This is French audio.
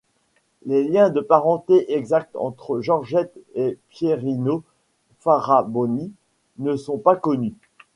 Les liens de parenté exacts entre Georgette et Pierino Faraboni ne sont pas connus.